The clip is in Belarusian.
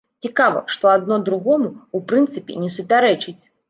Цікава, што адно другому, у прынцыпе, не супярэчыць.